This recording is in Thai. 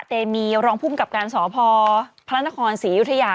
เตมีรองภูมิกับการสพพระนครศรีอยุธยา